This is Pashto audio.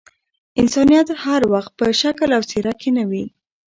انسانيت هر وخت په شکل او څهره کي نه وي.